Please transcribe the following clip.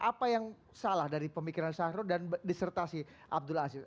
apa yang salah dari pemikiran syahrul dan disertasi abdul aziz